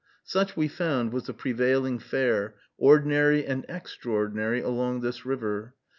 Such we found was the prevailing fare, ordinary and extraordinary, along this river.